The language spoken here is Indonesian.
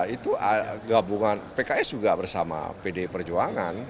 itu gabungan pks juga bersama pdi perjuangan